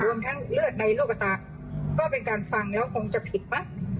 รวมทั้งเลือดในโลกตาก็เป็นการฟังแล้วคงจะผิดมั้ง